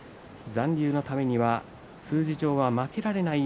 残留のためには数字上は負けられない